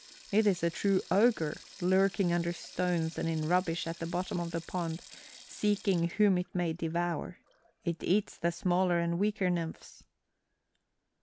It is a true ogre, lurking under stones and in rubbish at the bottom of the pond seeking whom it may devour. It eats the smaller and weaker nymphs."